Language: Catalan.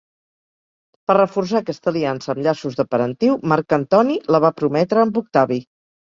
Per reforçar aquesta aliança amb llaços de parentiu, Marc Antoni la va prometre amb Octavi.